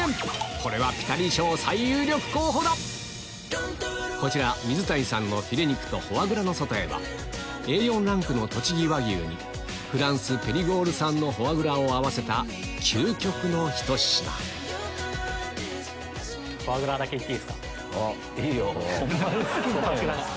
これはピタリ賞最有力候補だこちら水谷さんのフィレ肉とフォアグラのソテーはＡ４ランクのとちぎ和牛にフランスペリゴール産のフォアグラを合わせた究極のひと品フォアグラだけ行っていいっすか。